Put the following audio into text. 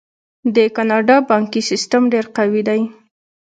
د کاناډا بانکي سیستم ډیر قوي دی.